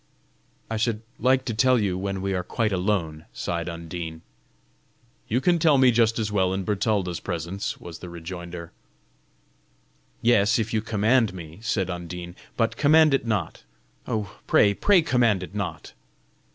"I should like to tell you when we are quite alone," sighed Undine. "You can tell me just as well in Bertalda's presence," was the rejoinder. "Yes, if you command me," said Undine; "but command it not. Oh pray, pray command it not!"